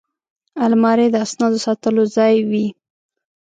الماري د اسنادو ساتلو ځای وي